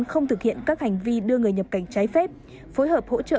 không thực hiện các hành vi đưa người nhập cảnh trái phép phối hợp hỗ trợ